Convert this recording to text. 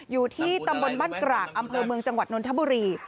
อยู่ที่ตำบลบ้านกรากอำเภอเมืองจังหวัดนนทบุรี